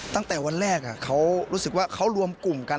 ตั้งแต่วันแรกเขารู้สึกว่าเขารวมกลุ่มกัน